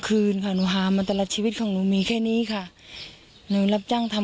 คุณแม่ขูดอยู่คนเดียวแต่ว่าไม่ได้มองอันไหนค่ะ